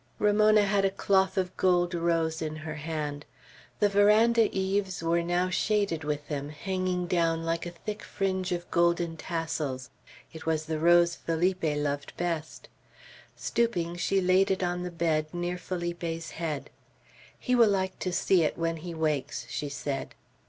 Ramona had a cloth of gold rose in her hand. The veranda eaves were now shaded with them, hanging down like a thick fringe of golden tassels. It was the rose Felipe loved best. Stooping, she laid it on the bed, near Felipe's head. "He will like to see it when he wakes," she said.